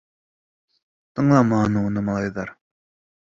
Тыңламаны уны малайҙар.